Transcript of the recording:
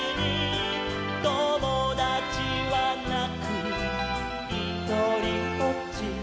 「ともだちはなくひとりぽっち」